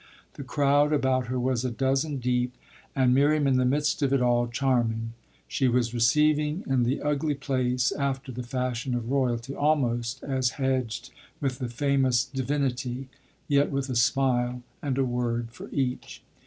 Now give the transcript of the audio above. The crowd about her was a dozen deep and Miriam in the midst of it all charming; she was receiving in the ugly place after the fashion of royalty, almost as hedged with the famous "divinity," yet with a smile and a word for each.